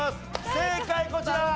正解こちら。